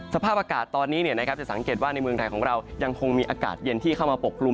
สภาพอากาศตอนนี้จะสังเกตว่าในเมืองไทยของเรายังคงมีอากาศเย็นที่เข้ามาปกกลุ่ม